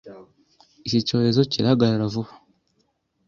Iki cyorezo kirahagarara vuba